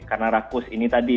karena rakus ini tadi